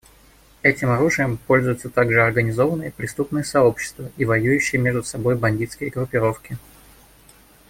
Этим оружием пользуются также организованные преступные сообщества и воюющие между собой бандитские группировки.